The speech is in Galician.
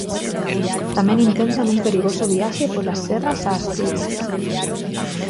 Tamén intentan un perigoso viaxe polas serras a Asturias.